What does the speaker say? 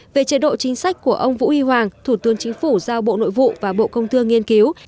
về chế độ chính sách của ông vũ huy hoàng thủ tướng chính phủ giao bộ nội vụ và bộ công thương nghiên cứu